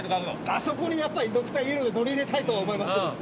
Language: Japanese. あそこにドクターイエローで乗り入れたいと思いましてですね。